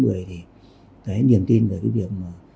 thì cái niềm tin về cái việc